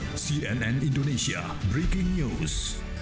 hai cnn indonesia breaking news